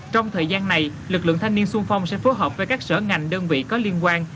trong thời gian này lực lượng thanh niên sung phong sẽ phối hợp với các sở ngành đơn vị có liên quan